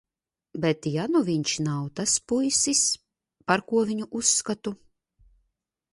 Bet ja nu viņš nav tas puisis, par ko viņu uzskatu?